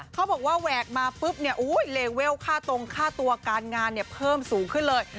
เขาบอกว่าแหวกมาปุ๊บเนี่ยเลเวลค่าตรงค่าตัวการงานเนี่ยเพิ่มสูงขึ้นเลย